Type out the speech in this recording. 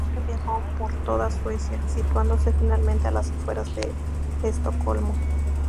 Su familia viajó por todo Suecia, situándose finalmente a las afueras de Estocolmo.